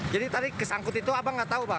jadi tadi kesangkut itu abang nggak tahu bang